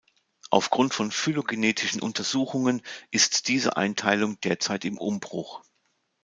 Auf Grund von phylogenetischen Untersuchungen ist diese Einteilung derzeit im Umbruch.